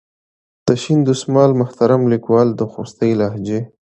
د شین دسمال محترم لیکوال د خوستي لهجې.